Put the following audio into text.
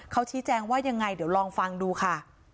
เขาชี้แจงว่ายังไงเดี๋ยวลองฟังดูค่ะ